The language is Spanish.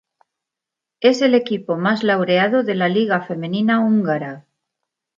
Es el equipo más laureado de la liga femenina húngara.